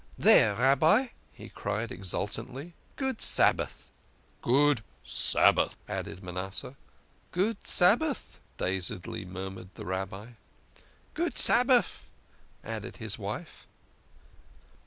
" There, Rabbi," he cried exultantly. " Good Sabbath !"" Good Sabbath !" added Manasseh. " Good Sabbath," dazedly murmured the Rabbi. " Good Sabbath," added his wife.